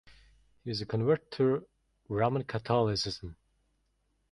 He is a convert to Roman Catholicism.